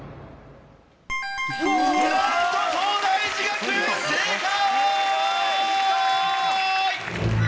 なんと東大寺学園正解！